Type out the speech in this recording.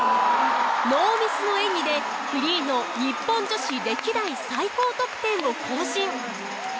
ノーミスの演技でフリーの日本女子歴代最高得点を更新。